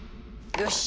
よし！